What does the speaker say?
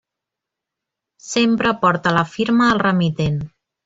Sempre porta la firma del remitent.